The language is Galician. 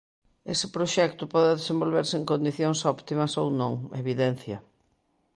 "Ese proxecto pode desenvolverse en condicións óptimas" ou non, evidencia.